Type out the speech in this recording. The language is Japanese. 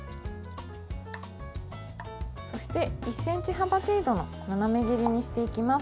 そして、１ｃｍ幅程度の斜め切りにしていきます。